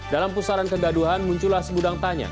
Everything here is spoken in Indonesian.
dalam pusaran kedaduhan muncullah sebudang tanya